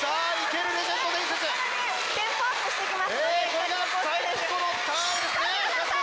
これが最後のターンですねラスト